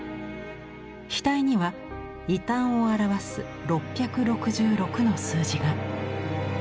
額には異端を表す６６６の数字が。